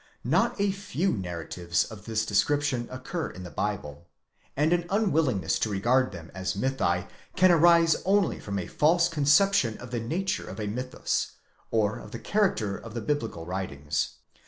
Not afew narratives of this descrip tion occur in the Bible ; and an unwillingness to regard them as mythi can arise' only from a false conception of the nature of a mythus, or of the character of the biblical writings.